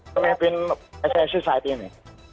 perempuan pssi saat ini